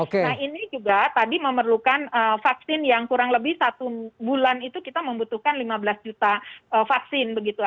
nah ini juga tadi memerlukan vaksin yang kurang lebih satu bulan itu kita membutuhkan lima belas juta vaksin begitu